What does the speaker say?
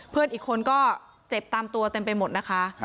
เพื่อนอีกคนก็เจ็บตามตัวเต็มไปหมดนะคะ